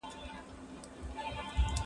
زه بوټونه نه پاکوم!